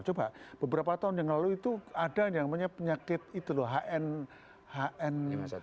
coba beberapa tahun yang lalu itu ada yang namanya penyakit itu loh hn